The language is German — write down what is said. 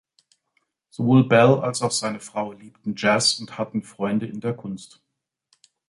Sowohl Bell als auch seine Frau liebten Jazz und hatten Freunde in der Kunst.